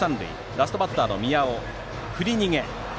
ラストバッターの宮尾、振り逃げ。